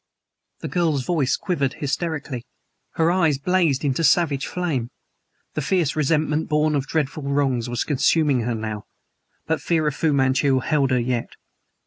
The girl's voice quivered hysterically; her eyes blazed into savage flame. The fierce resentment born of dreadful wrongs was consuming her now; but fear of Fu Manchu held her yet.